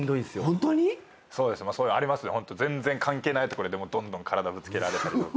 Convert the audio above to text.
ホントに⁉ホント全然関係ないとこでドンドン体ぶつけられたりとか。